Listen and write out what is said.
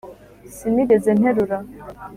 sinigeze nterura